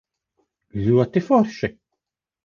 Ļoti forši?